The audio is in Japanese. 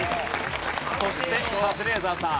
そしてカズレーザーさん。